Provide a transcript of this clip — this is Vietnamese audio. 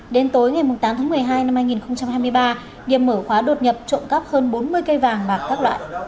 đến tối ngày tám tháng một mươi hai năm hai nghìn hai mươi ba điềm mở khóa đột nhập trộm cắp hơn bốn mươi cây vàng bạc các loại